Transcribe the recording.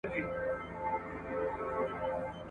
هغه لوبیا چې ببو پخولې وې ډېرې ساده او غریبانه وې.